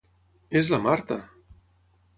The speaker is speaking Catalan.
És la Marta!